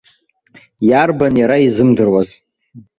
Иарбан иара изымдыруаз.